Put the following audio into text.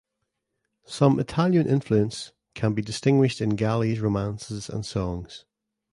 Some Italian influence can be distinguished in Galli’s romances and songs.